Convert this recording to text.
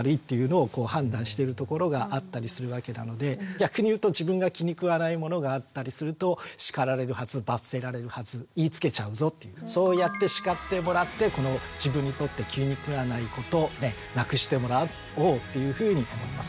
逆に言うと自分が気に食わないものがあったりすると叱られるはず罰せられるはず言いつけちゃうぞっていうそうやって叱ってもらってこの自分にとって気に食わないことをねなくしてもらおうっていうふうに思います。